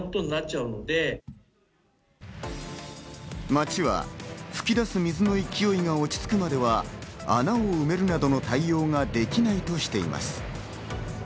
町は噴き出す水の勢いが落ち着くまでは、穴を埋めるなどの対応ができないとしています。